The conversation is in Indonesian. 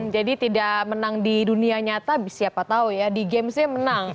jadi tidak menang di dunia nyata siapa tau ya di gamesnya menang